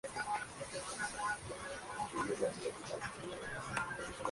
Varios países vecinos enviaron aviones con medicamentos y alimentos.